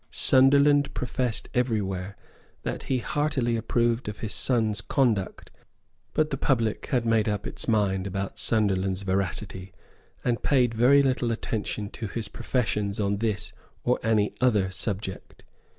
Sunderland professed everywhere that he heartily approved of his son's conduct; but the public had made up its mind about Sunderland's veracity, and paid very little attention to his professions on this or on any other subject.